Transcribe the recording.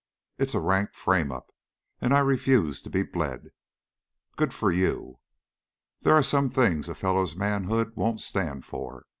"It's a rank frame up, and I refused to be bled." "Good for you." "There are some things a fellow's manhood won't stand for.